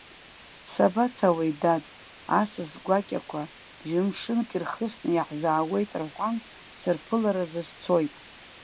Сабацауеи, дад, асас гәакьақәа бжьымшынк ирхысны иаҳзаауеит рҳәан, сырԥыларазы сцоит.